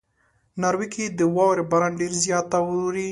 ناروې کې د واورې باران ډېر زیات اوري.